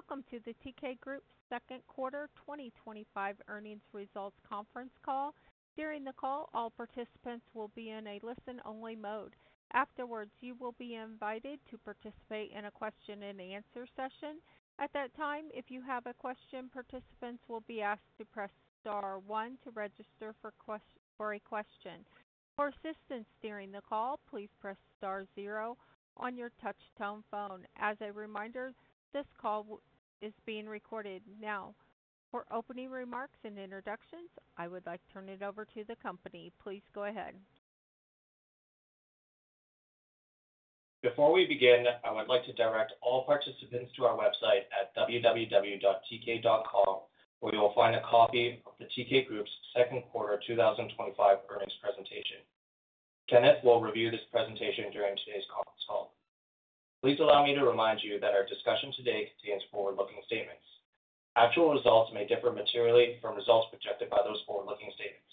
Welcome to the Teekay Group's second quarter 2025 earnings results conference call. During the call, all participants will be in a listen-only mode. Afterwards, you will be invited to participate in a question-and-answer session. At that time, if you have a question, participants will be asked to press star one to register for a question. For assistance during the call, please press star zero on your touch-tone phone. As a reminder, this call is being recorded. Now, for opening remarks and introductions, I would like to turn it over to the company. Please go ahead. Before we begin, I would like to direct all participants to our website at www.teekay.com, where you will find a copy of the Teekay Group's second quarter 2025 earnings presentation. Kenneth will review this presentation during today's conference call. Please allow me to remind you that our discussion today stands for forward-looking statements. Actual results may differ materially from results projected by those forward-looking statements.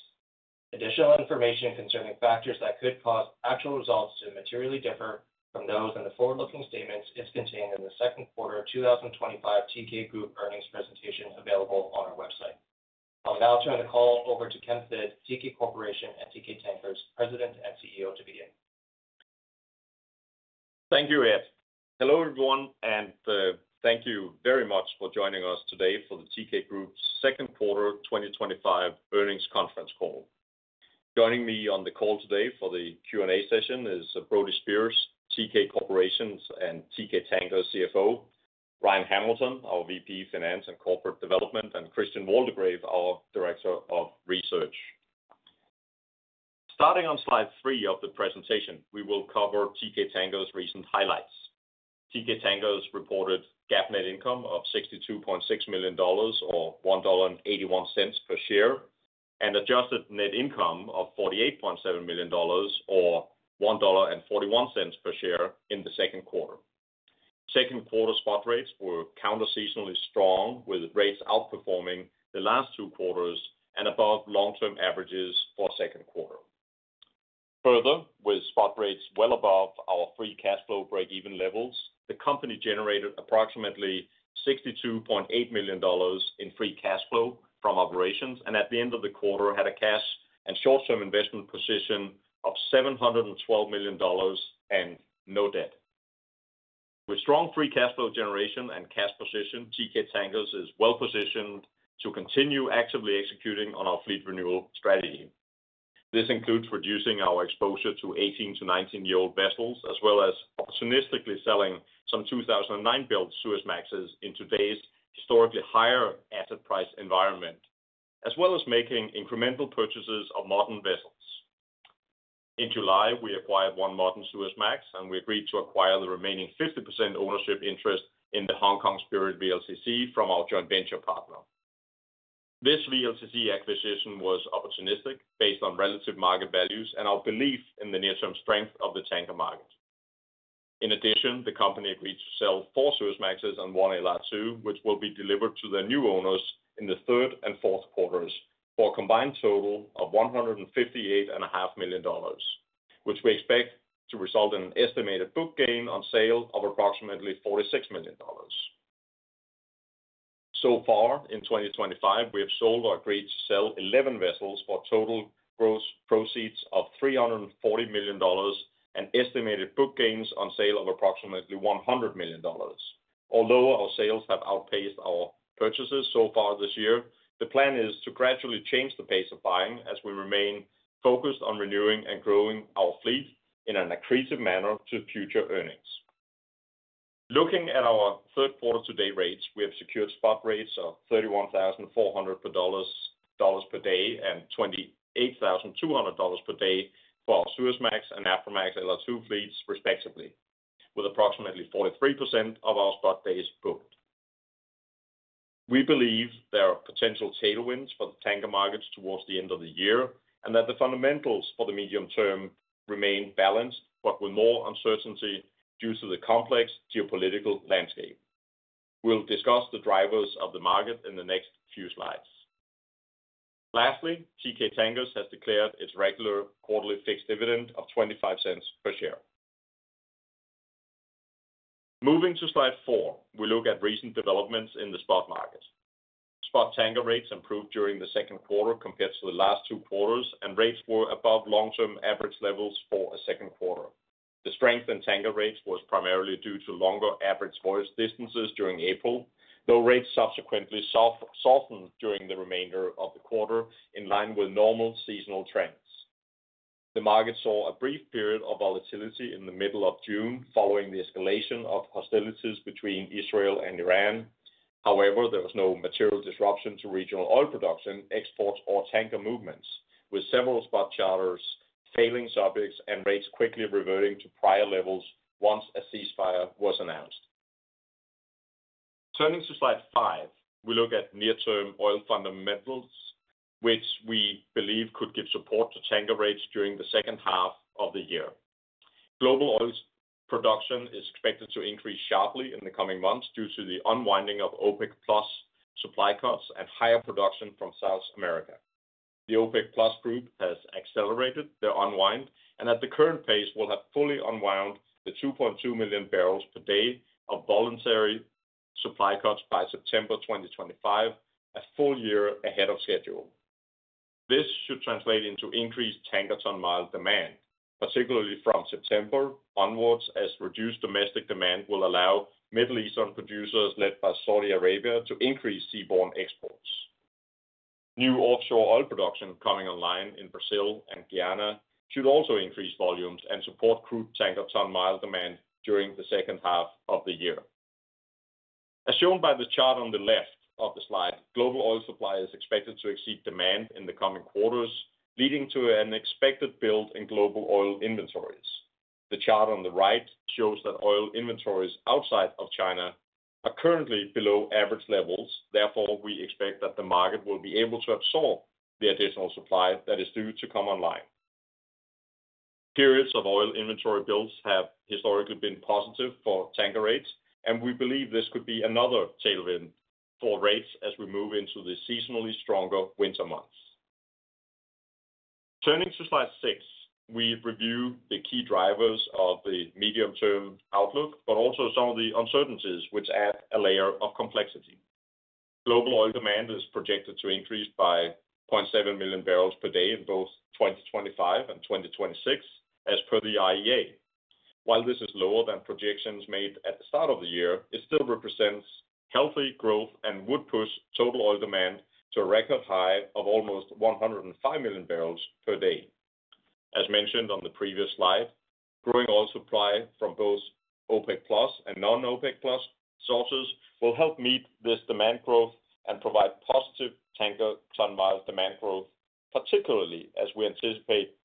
Additional information concerning factors that could cause actual results to materially differ from those in the forward-looking statements is contained in the second quarter 2025 Teekay Group earnings presentation available on our website. I'll now turn the call over to Kenneth Hvid, Teekay Corporation and Teekay Tankers President and CEO, to begin. Thank you, Ed. Hello everyone, and thank you very much for joining us today for the Teekay Group's second quarter 2025 earnings conference call. Joining me on the call today for the Q&A session is Brody Speers, Teekay Corporation's and Teekay Tankers CFO, Ryan Hamilton, our VP of Finance and Corporate Development, and Christian Waldegrave, our Director of Research. Starting on slide three of the presentation, we will cover Teekay Tankers' recent highlights. Teekay Tankers reported a net income of $62.6 million, or $1.81 per share, and an adjusted net income of $48.7 million, or $1.41 per share in the second quarter. Second quarter spot rates were counter-seasonally strong, with rates outperforming the last two quarters and above long-term averages for the second quarter. Further, with spot rates well above our free cash flow breakeven levels, the company generated approximately $62.8 million in free cash flow from operations, and at the end of the quarter had a cash and short-term investment position of $712 million and no debt. With strong free cash flow generation and cash position, Teekay Tankers is well positioned to continue actively executing on our fleet renewal strategy. This includes reducing our exposure to 18 to 19-year-old vessels, as well as opportunistically selling some 2009-built Suezmaxes in today's historically higher asset price environment, as well as making incremental purchases of modern vessels. In July, we acquired one modern Suezmax, and we agreed to acquire the remaining 50% ownership interest in the Hong Kong Spirit VLCC from our joint venture partner. This VLCC acquisition was opportunistic based on relative market values and our belief in the near-term strength of the tanker market. In addition, the company agreed to sell four Suezmaxes and one LR2, which will be delivered to the new owners in the third and fourth quarters for a combined total of $158.5 million, which we expect to result in an estimated book gain on sale of approximately $46 million. In 2025, we have sold or agreed to sell 11 vessels for total gross proceeds of $340 million and estimated book gains on sale of approximately $100 million. Although our sales have outpaced our purchases so far this year, the plan is to gradually change the pace of buying as we remain focused on renewing and growing our fleet in an accretive manner to future earnings. Looking at our third quarter to-date rates, we have secured spot rates of $31,400 per day and $28,200 per day for our Suezmax and Aframax LR2 fleets, respectively, with approximately 43% of our spot days booked. We believe there are potential tailwinds for the tanker markets towards the end of the year and that the fundamentals for the medium term remain balanced, but with more uncertainty due to the complex geopolitical landscape. We'll discuss the drivers of the market in the next few slides. Lastly, Teekay Tankers has declared its regular quarterly fixed dividend of $0.25 per share. Moving to slide four, we look at recent developments in the spot market. Spot tanker rates improved during the second quarter compared to the last two quarters, and rates were above long-term average levels for a second quarter. The strength in tanker rates was primarily due to longer average voyage distances during April, though rates subsequently softened during the remainder of the quarter in line with normal seasonal trends. The market saw a brief period of volatility in the middle of June following the escalation of hostilities between Israel and Iran. However, there was no material disruption to regional oil production, exports, or tanker movements, with several spot charters failing subjects and rates quickly reverting to prior levels once a ceasefire was announced. Turning to slide five, we look at near-term oil fundamentals, which we believe could give support to tanker rates during the second half of the year. Global oil production is expected to increase sharply in the coming months due to the unwinding of OPEC+ supply cuts and higher production from South America. The OPEC+ group has accelerated their unwind and at the current pace will have fully unwound the 2.2 million barrels per day of voluntary supply cuts by September 2025, a full year ahead of schedule. This should translate into increased tanker-ton mile demand, particularly from September onwards, as reduced domestic demand will allow Middle Eastern producers led by Saudi Arabia to increase seaborne exports. New offshore oil production coming online in Brazil and Guyana should also increase volumes and support crude tanker-ton mile demand during the second half of the year. As shown by the chart on the left of the slide, global oil supply is expected to exceed demand in the coming quarters, leading to an expected build in global oil inventories. The chart on the right shows that oil inventories outside of China are currently below average levels. Therefore, we expect that the market will be able to absorb the additional supply that is due to come online. Periods of oil inventory builds have historically been positive for tanker rates, and we believe this could be another tailwind for rates as we move into the seasonally stronger winter months. Turning to slide six, we review the key drivers of the medium-term outlook, but also some of the uncertainties which add a layer of complexity. Global oil demand is projected to increase by 0.7 million barrels per day in both 2025 and 2026, as per the IEA. While this is lower than projections made at the start of the year, it still represents healthy growth and would push total oil demand to a record high of almost 105 million barrels per day. As mentioned on the previous slide, growing oil supply from both OPEC+ and non-OPEC+ sources will help meet this demand growth and provide positive tanker-ton mile demand growth, particularly as we anticipate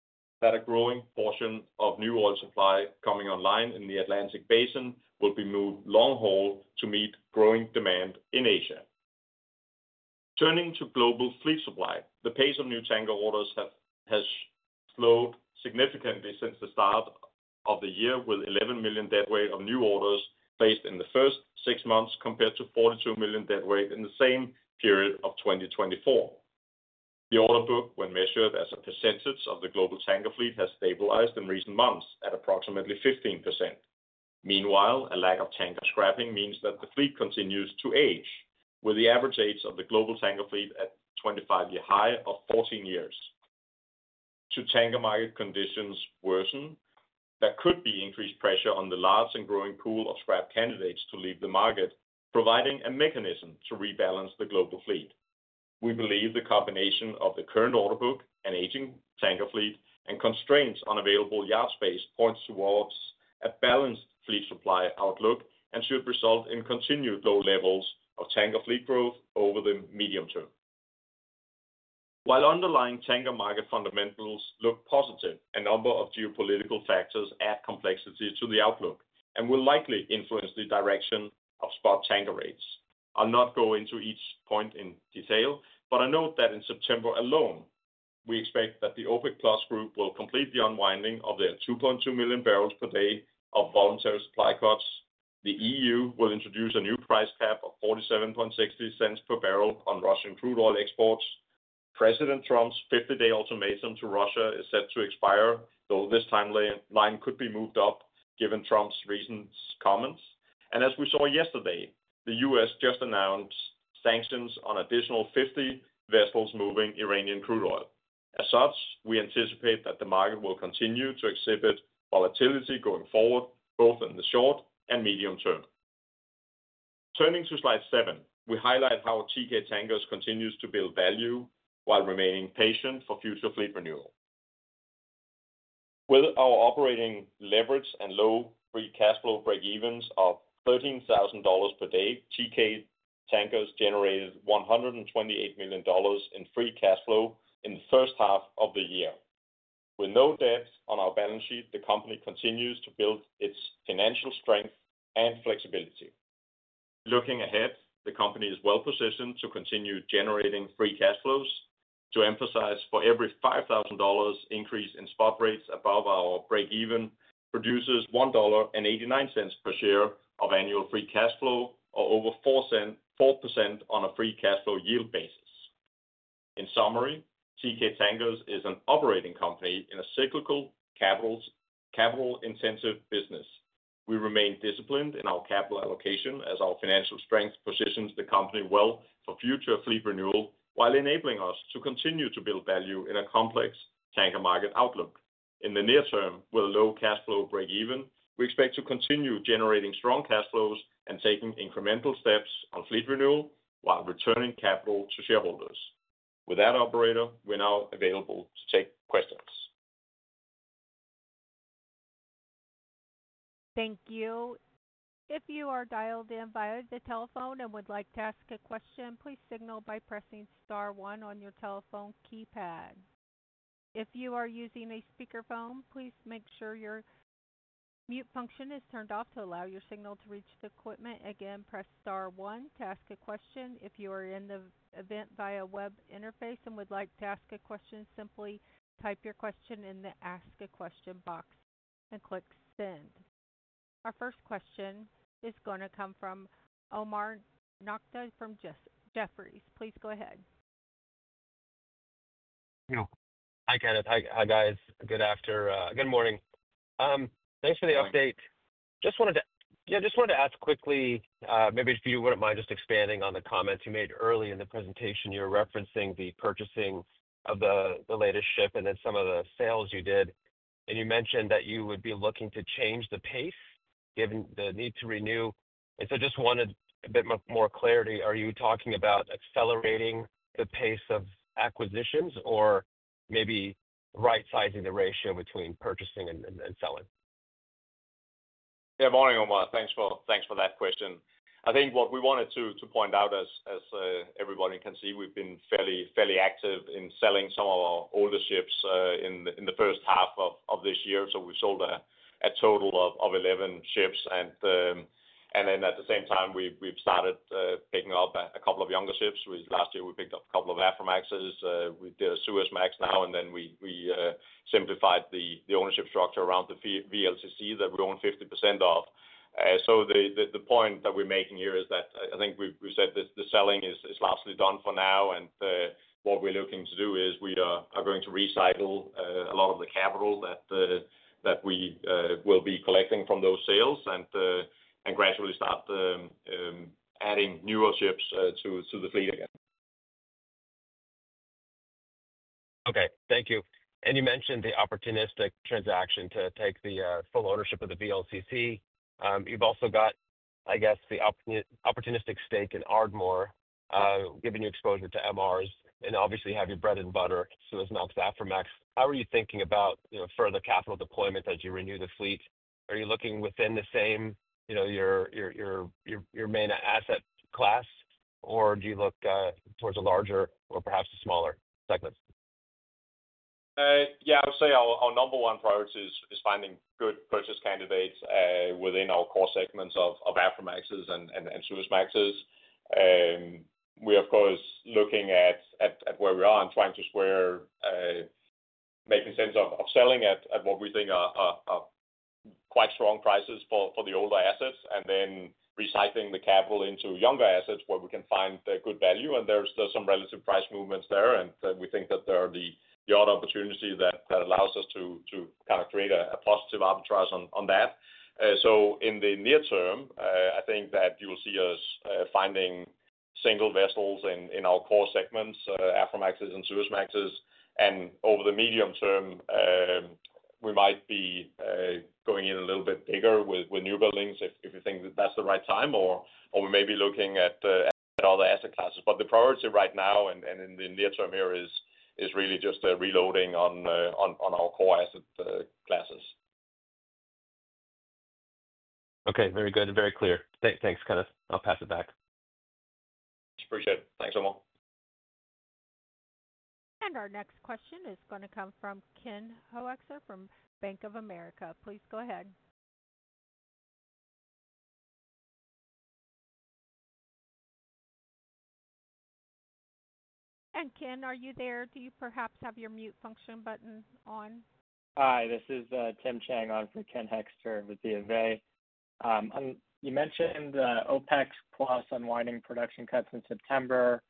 that a growing portion of new oil supply coming online in the Atlantic Basin will be moved long haul to meet growing demand in Asia. Turning to global fleet supply, the pace of new tanker orders has slowed significantly since the start of the year, with 11 million deadweight of new orders placed in the first six months compared to 42 million deadweight in the same period of 2024. The order book, when measured as a percentage of the global tanker fleet, has stabilized in recent months at approximately 15%. Meanwhile, a lack of tanker scrapping means that the fleet continues to age, with the average age of the global tanker fleet at a 25-year high of 14 years. Should tanker market conditions worsen, there could be increased pressure on the large and growing pool of scrap candidates to leave the market, providing a mechanism to rebalance the global fleet. We believe the combination of the current order book and aging tanker fleet and constraints on available yard space points towards a balanced fleet supply outlook and should result in continued low levels of tanker fleet growth over the medium term. While underlying tanker market fundamentals look positive, a number of geopolitical factors add complexity to the outlook and will likely influence the direction of spot tanker rates. I'll not go into each point in detail, but I note that in September alone, we expect that the OPEC+ group will complete the unwinding of their 2.2 million barrels per day of voluntary supply cuts. The EU will introduce a new price cap of $47.60 per barrel on Russian crude oil exports. President Trump's 50-day ultimatum to Russia is set to expire, though this timeline could be moved up given Trump's recent comments. As we saw yesterday, the U.S. just announced sanctions on an additional 50 vessels moving Iranian crude oil. As such, we anticipate that the market will continue to exhibit volatility going forward, both in the short and medium term. Turning to slide seven, we highlight how Teekay Tankers continues to build value while remaining patient for future fleet renewal. With our operating leverage and low free cash flow breakevens of $13,000 per day, Teekay Tankers generated $128 million in free cash flow in the first half of the year. With no debt on our balance sheet, the company continues to build its financial strength and flexibility. Looking ahead, the company is well positioned to continue generating free cash flows. To emphasize, for every $5,000 increase in spot rates above our breakeven produces $1.89 per share of annual free cash flow, or over 4% on a free cash flow yield basis. In summary, Teekay Tankers is an operating company in a cyclical, capital-intensive business. We remain disciplined in our capital allocation as our financial strength positions the company well for future fleet renewal, while enabling us to continue to build value in a complex tanker market outlook. In the near term, with a low cash flow breakeven, we expect to continue generating strong cash flows and taking incremental steps on fleet renewal while returning capital to shareholders. With that, operator, we're now available to take questions. Thank you. If you are dialed in via the telephone and would like to ask a question, please signal by pressing star one on your telephone keypad. If you are using a speakerphone, please make sure your mute function is turned off to allow your signal to reach the equipment. Again, press star one to ask a question. If you are in the event via web interface and would like to ask a question, simply type your question in the ask a question box and click send. Our first question is going to come from Omar Nokta from Jefferies. Please go ahead. I got it. Hi, guys. Good afternoon. Good morning. Thanks for the update. Just wanted to ask quickly, maybe if you wouldn't mind just expanding on the comments you made earlier in the presentation. You're referencing the purchasing of the latest ship and then some of the sales you did. You mentioned that you would be looking to change the pace given the need to renew. Just wanted a bit more clarity. Are you talking about accelerating the pace of acquisitions or maybe right-sizing the ratio between purchasing and selling? Yeah, morning, Omar. Thanks for that question. I think what we wanted to point out, as everybody can see, we've been fairly active in selling some of our older ships in the first half of this year. We sold a total of 11 ships. At the same time, we've started picking up a couple of younger ships. Last year, we picked up a couple of Aframaxes. We did a Suezmax now, and we simplified the ownership structure around the VLCC that we own 50% of. The point that we're making here is that I think we've said that the selling is largely done for now. What we're looking to do is we are going to recycle a lot of the capital that we will be collecting from those sales and gradually start adding newer ships to the fleet again. Okay, thank you. You mentioned the opportunistic transaction to take the full ownership of the VLCC. You've also got, I guess, the opportunistic stake in Ardmore, giving you exposure to MRs, and obviously have your bread and butter, Suezmax and Aframax. How are you thinking about further capital deployment as you renew the fleet? Are you looking within the same, you know, your main asset class, or do you look towards a larger or perhaps a smaller segment? Yeah, I would say our number one priority is finding good purchase candidates within our core segments of Aframaxes and Suezmaxes. We are, of course, looking at where we are and trying to square, making sense of selling at what we think are quite strong prices for the older assets and then recycling the capital into younger assets where we can find good value. There are some relative price movements there, and we think that there are the odd opportunities that allow us to kind of create a positive arbitrage on that. In the near term, I think that you will see us finding single vessels in our core segments, Aframaxes and Suezmaxes. Over the medium term, we might be going in a little bit bigger with newbuildings if you think that that's the right time, or we may be looking at other asset classes. The priority right now and in the near term here is really just reloading on our core asset classes. Okay, very good and very clear. Thanks, Kenneth. I'll pass it back. Appreciate it. Thanks, Omar. Our next question is going to come from Ken Hoexter from Bank of America. Please go ahead. Ken, are you there? Do you perhaps have your mute function button on? Hi, this is Tim Chiang on for Ken Hoexter with BofA. You mentioned OPEC+ unwinding production cuts in September,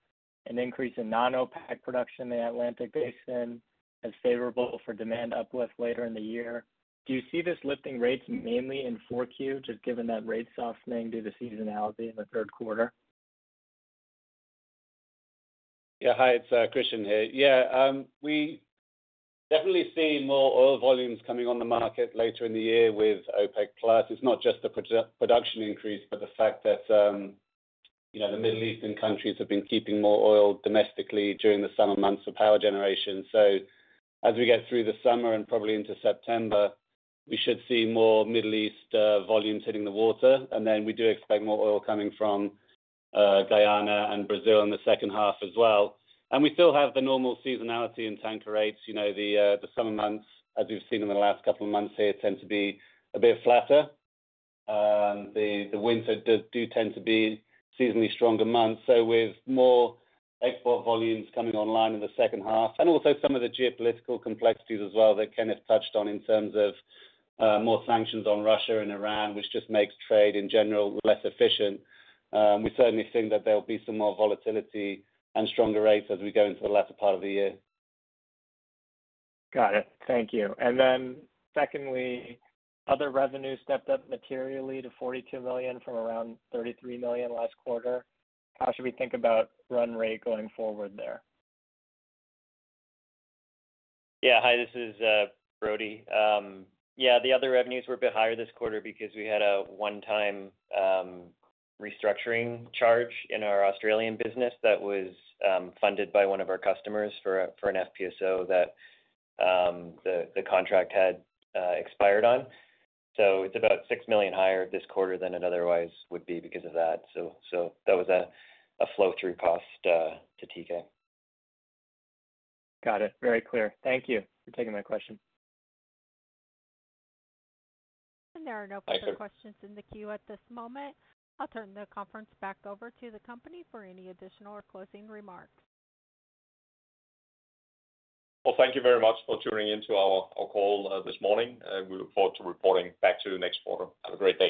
an increase in non-OPEC production in the Atlantic Basin as favorable for demand uplift later in the year. Do you see this lifting rates mainly in 4Q, just given that rate softening due to seasonality in the third quarter? Yeah, hi, it's Christian here. We definitely see more oil volumes coming on the market later in the year with OPEC+. It's not just the production increase, but the fact that the Middle Eastern countries have been keeping more oil domestically during the summer months for power generation. As we get through the summer and probably into September, we should see more Middle East volumes hitting the water. We do expect more oil coming from Guyana and Brazil in the second half as well. We still have the normal seasonality in tanker rates. The summer months, as we've seen in the last couple of months here, tend to be a bit flatter. The winters do tend to be seasonally stronger months. With more export volumes coming online in the second half, and also some of the geopolitical complexities as well that Kenneth touched on in terms of more sanctions on Russia and Iran, which just make trade in general less efficient, we certainly think that there will be some more volatility and stronger rates as we go into the latter part of the year. Got it. Thank you. Secondly, other revenue stepped up materially to $42 million from around $33 million last quarter. How should we think about run rate going forward there? Yeah, hi, this is Brody. The other revenues were a bit higher this quarter because we had a one-time restructuring charge in our Australian business that was funded by one of our customers for an FPSO that the contract had expired on. It's about $6 million higher this quarter than it otherwise would be because of that. That was a flow-through cost to Teekay. Got it. Very clear. Thank you for taking that question. There are no further questions in the queue at this moment. I'll turn the conference back over to the company for any additional or closing remarks. Thank you very much for tuning in to our call this morning. We look forward to reporting back to you next quarter. Have a great day.